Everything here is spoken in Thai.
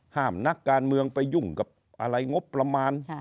นักการเมืองไปยุ่งกับอะไรงบประมาณ